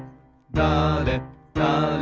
だれだれ